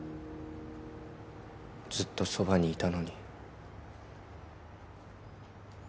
ずっとそばにいたのに。